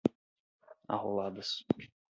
arroladas